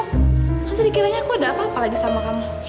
nanti dikiranya aku ada apa apa lagi sama kamu